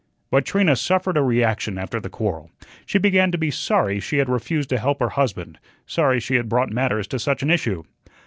But Trina suffered a reaction after the quarrel. She began to be sorry she had refused to help her husband, sorry she had brought matters to such an issue.